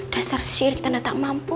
dasar sirik tanda tak mampu